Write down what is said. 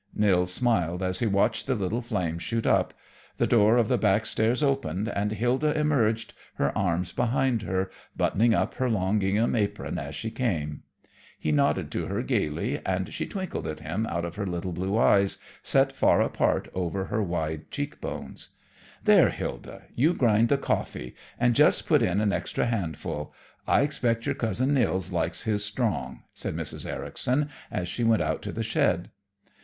Nils smiled as he watched the little flames shoot up. The door of the back stairs opened, and Hilda emerged, her arms behind her, buttoning up her long gingham apron as she came. He nodded to her gaily, and she twinkled at him out of her little blue eyes, set far apart over her wide cheek bones. "There, Hilda, you grind the coffee and just put in an extra handful; I expect your Cousin Nils likes his strong," said Mrs. Ericson, as she went out to the shed.